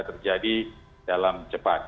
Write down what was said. terjadi dalam cepat